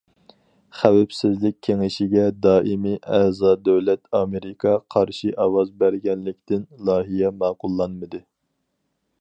خەۋپسىزلىك كېڭىشىگە دائىمىي ئەزا دۆلەت ئامېرىكا قارشى ئاۋاز بەرگەنلىكتىن لايىھە ماقۇللانمىدى.